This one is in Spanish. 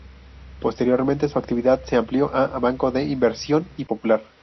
Posteriormente su actividad se amplió a banco de inversión y popular.